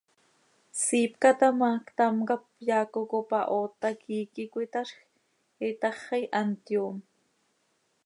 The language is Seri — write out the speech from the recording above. Siipca taa ma, ctam cap yaaco cop ahoot hac iiqui cöitaazj itaxi, hant yoom.